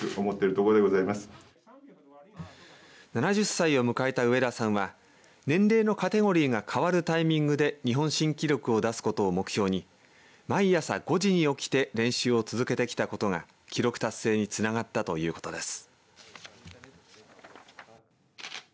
７０歳を迎えた上田さんは年齢のカテゴリーが変わるタイミングで日本新記録を出すことを目標に毎朝５時に起きて練習を続けてきたことが記録達成につながったということです。